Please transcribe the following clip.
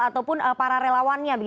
atau para relawannya